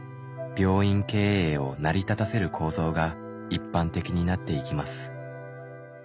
病院経営を成り立たせる構造が一般的になっていきます。